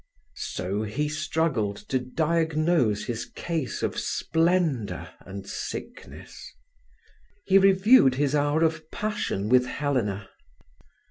So he struggled to diagnose his case of splendour and sickness. He reviewed his hour of passion with Helena.